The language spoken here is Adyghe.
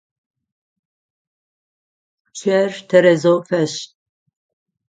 Пчъэр тэрэзэу фэшӀ!